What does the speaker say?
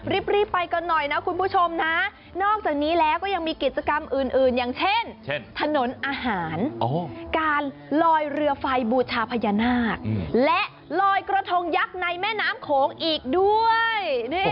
รีบไปกันหน่อยนะคุณผู้ชมนะนอกจากนี้แล้วก็ยังมีกิจกรรมอื่นอย่างเช่นถนนอาหารการลอยเรือไฟบูชาพญานาคและลอยกระทงยักษ์ในแม่น้ำโขงอีกด้วย